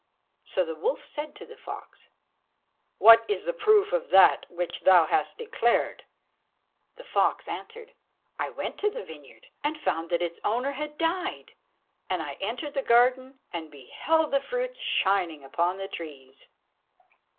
So the wolf said to the fox, "What is the proof of that which thou hast declared?" The fox answered, "I went to the vineyard, and found that its owner had died; and I entered the garden, and beheld the fruits shining upon the trees."